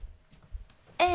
ええ。